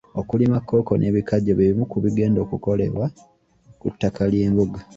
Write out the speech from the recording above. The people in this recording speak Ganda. Okulima kkooko n’ebikajjo bye bimu ku bigenda okukolerwa ku ttaka ly'embuga.